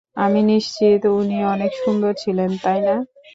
আমি নিশ্চিত উনি অনেক সুন্দর ছিলেন, তাই না?